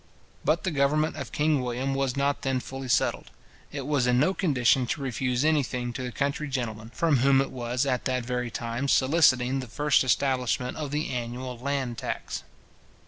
But the government of King William was not then fully settled. It was in no condition to refuse anything to the country gentlemen, from whom it was, at that very time, soliciting the first establishment of the annual land tax.